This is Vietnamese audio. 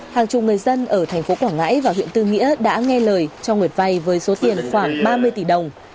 hàng chục người dân ở thành phố quảng ngãi và huyện tư nghĩa đã nghe lời cho nguyệt vay với số tiền khoảng ba mươi tỷ đồng